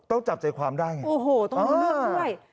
ต้องจับใจความได้ไงโอ้โหต้องเลือกไม่